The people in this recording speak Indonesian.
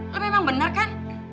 lo memang bener kan